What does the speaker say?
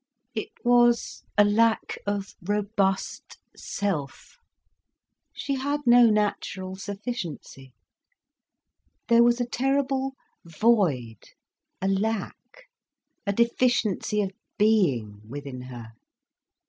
It was a lack of robust self, she had no natural sufficiency, there was a terrible void, a lack, a deficiency of being within her.